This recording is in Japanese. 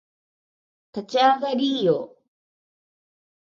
立ち上がりーよ